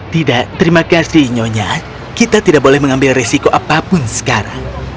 tidak terima kasih nyonya kita tidak boleh mengambil resiko apapun sekarang